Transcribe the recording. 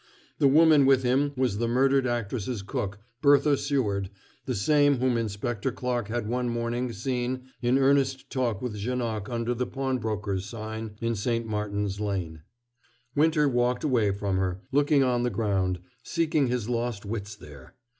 The woman with him was the murdered actress's cook, Bertha Seward, the same whom Inspector Clarke had one morning seen in earnest talk with Janoc under the pawnbroker's sign in St. Martin's Lane. Winter walked away from her, looking on the ground, seeking his lost wits there.